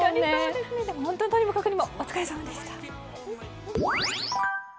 でも本当にとにもかくにもお疲れさまでした。